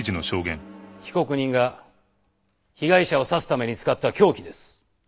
被告人が被害者を刺すために使った凶器です。